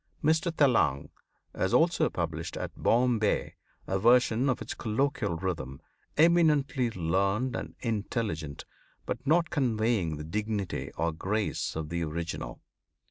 Mr Telang has also published at Bombay a version in colloquial rhythm, eminently learned and intelligent, but not conveying the dignity or grace of the original.